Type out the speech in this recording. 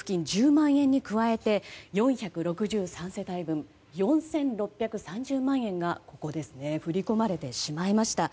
１０万円に加えて４６３世帯分４６３０万円が振り込まれてしまいました。